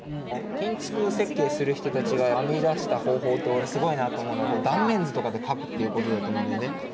建築設計する人たちが編み出した方法って俺、すごいなと思うのが断面図とかで描くということだと思うんだよね。